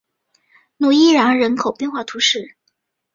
努伊扬人口变化图示